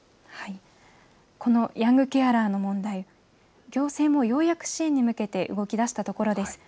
このヤングケアラーの問題、行政もようやく支援に向けて動きだしたところです。